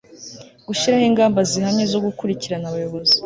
gushyiraho ingamba zihamye zo gukurikirana abayobozi